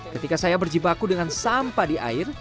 ketika saya berjibaku dengan sampah di air